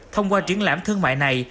thông qua triển lãm thương mại này